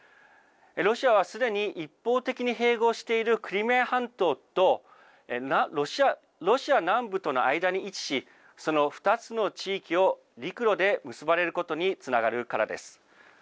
ロシアはすでに一方的に併合しているクリミア半島と、ロシア南部との間に位置し、その２つの地域を陸路で結ばれることにつながるからです。